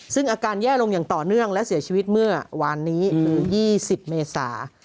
ซึ่งอาการแย่ลงอย่างต่อเนื่องและเสียชีวิตเมื่อวานนี้คือ๒๐เมษา